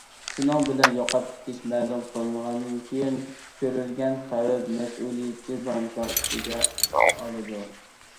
شۇنىڭ بىلەن يوقاپ كېتىش مەلۇم قىلىنغاندىن كېيىن كۆرۈلگەن خەۋپ مەسئۇلىيىتىنى بانكا ئۈستىگە ئالىدۇ.